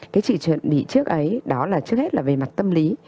cái sự chuẩn bị trước ấy đó là trước hết là về mặt tâm lý